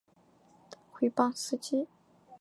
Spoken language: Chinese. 毁谤司机